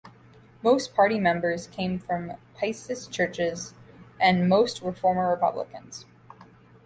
Most party members came from pietist churches, and most were former Republicans.